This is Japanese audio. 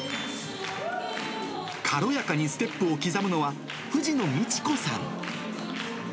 軽やかにステップを刻むのは、藤野道子さん。